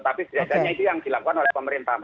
tidak hanya itu yang dilakukan oleh pemerintah